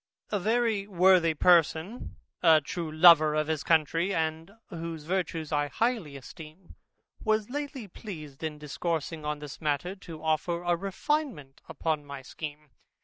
A very worthy person, a true lover of his country, and whose virtues I highly esteem, was lately pleased in discoursing on this matter, to offer a refinement upon my scheme.